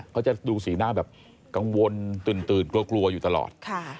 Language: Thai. เขาจะดูสีหน้าแบบกังวลตื่นกลัวอยู่ตลอด